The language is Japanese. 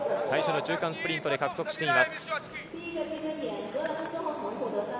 最初の中間スプリントで獲得しています。